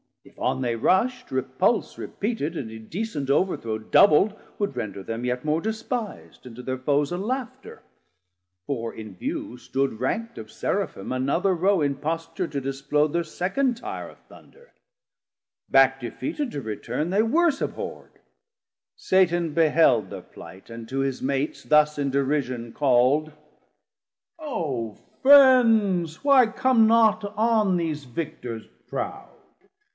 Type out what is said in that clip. if on they rusht, repulse 600 Repeated, and indecent overthrow Doubl'd, would render them yet more despis'd, And to thir foes a laughter; for in view Stood rankt of Seraphim another row In posture to displode thir second tire Of Thunder: back defeated to return They worse abhorr'd. Satan beheld thir plight, And to his Mates thus in derision call'd. O Friends, why come not on these Victors proud?